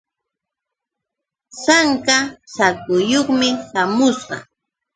Sawka saakuyuqmi śhamusqa.